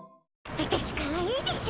あたしかわいいでしょ？